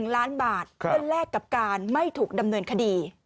๑ล้านบาทเพื่อแลกกับการไม่ถูกดำเนินคดี